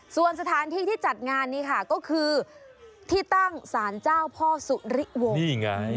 ส่วนสถานที่ที่จัดงานนี้ค่ะก็คือที่ตั้งสารเจ้าพ่อสุริวงศ์นี่ไง